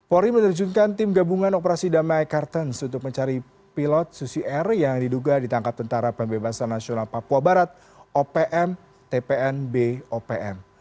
polri menerjunkan tim gabungan operasi damai kartens untuk mencari pilot susi air yang diduga ditangkap tentara pembebasan nasional papua barat opm tpnb opm